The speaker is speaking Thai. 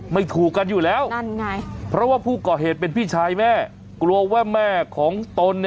ไม่ถูกกันอยู่แล้วนั่นไงเพราะว่าผู้ก่อเหตุเป็นพี่ชายแม่กลัวว่าแม่ของตน